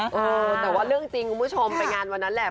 เออแต่ว่าเรื่องจริงคุณผู้ชมไปงานวันนั้นแหละ